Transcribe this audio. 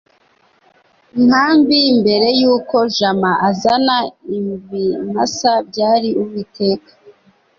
nkambi mbere yuko jama azana ibimasa byari uwiteka